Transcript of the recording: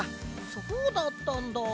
そうだったんだ。